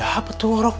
ya betul orang